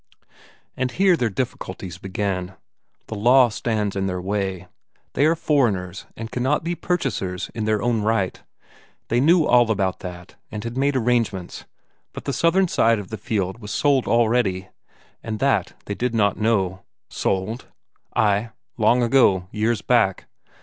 And here their difficulties begin; the law stands in their way; they are foreigners, and cannot be purchasers in their own right. They knew all about that, and had made arrangements. But the southern side of the fjeld was sold already and that they did not know. "Sold?" "Ay, long ago, years back."